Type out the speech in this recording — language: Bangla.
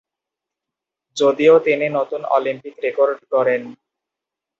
যদিও তিনি নতুন অলিম্পিক রেকর্ড গড়েন।